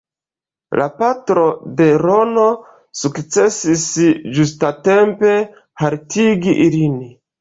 La patro de Ron sukcesis ĝustatempe haltigi ilin.